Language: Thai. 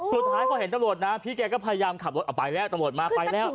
สุดท้ายพอเห็นตำรวจนะพี่แกก็พยายามขับรถเอาไปแล้วตำรวจมาไปแล้ว